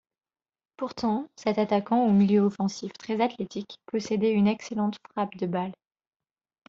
Pourtant, cet attaquant ou milieu offensif très athlétique possédait une excellente frappe de balle.